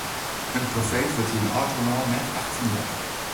In profeet wurdt yn eigen lân net achtenearre.